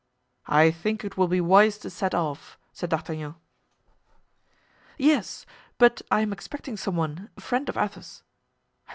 "I think it will be wise to set off," said D'Artagnan. "Yes; but I am expecting some one, a friend of Athos."